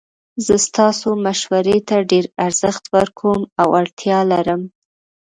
زه ستاسو مشورې ته ډیر ارزښت ورکوم او اړتیا لرم